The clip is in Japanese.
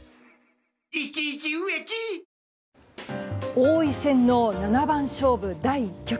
王位戦の七番勝負第１局。